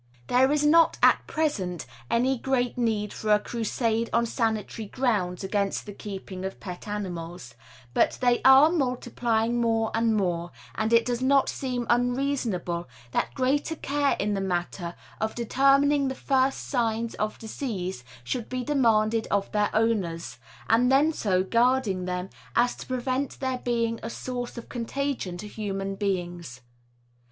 There is not at present any great need for a crusade on sanitary grounds against the keeping of pet animals, but they are multiplying more and more, and it does not seem unreasonable that greater care in the matter of determining the first signs of disease should be demanded of their owners, and then so guarding them as to prevent their being a source of contagion to human beings.